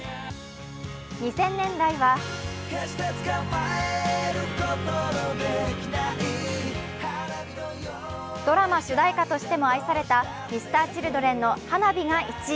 ２０００年代はドラマ主題歌としても愛されたＭｒ．Ｃｈｉｌｄｒｅｎの「ＨＡＮＡＢＩ」が１位。